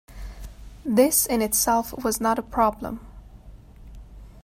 This in itself was not a problem.